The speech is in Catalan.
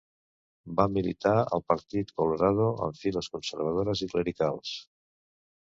Va militar al Partit Colorado en files conservadores i clericals.